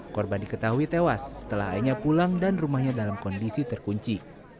korban diketahui tewas setelah ayahnya pulang dan rumahnya dalam kondisi terkunci